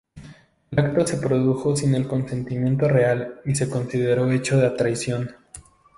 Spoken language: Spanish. El acto se produjo sin el consentimiento real, y se consideró hecho a traición.